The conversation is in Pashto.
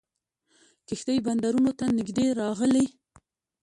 کښتۍ بندرونو ته نیژدې راغلې.